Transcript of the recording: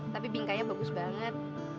tapi bingkainya bagus banget